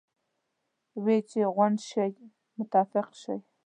وې چې غونډ شئ متفق شئ.